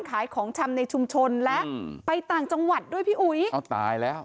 ขายของชำในชุมชนและอืมไปต่างจังหวัดด้วยพี่อุ๋ยอ๋อตายแล้ว